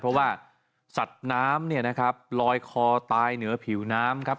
เพราะว่าสัตว์น้ำลอยคอตายเหนือผิวน้ำครับ